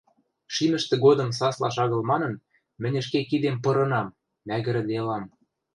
Шимӹштӹ годым саслаш агыл манын, мӹнь ӹшке кидем пырынам... мӓгӹрӹделам...